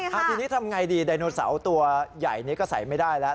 ทีนี้ทำไงดีไดโนเสาร์ตัวใหญ่นี้ก็ใส่ไม่ได้แล้ว